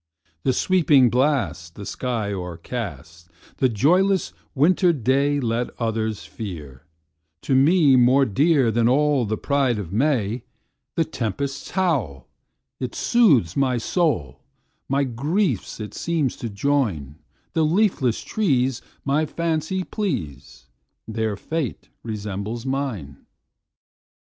"The sweeping blast, the sky o'ercast,"The joyless winter dayLet others fear, to me more dearThan all the pride of May:The tempest's howl, it soothes my soul, My griefs it seems to join; The leafless trees my fancy please, Their fate resembles mine!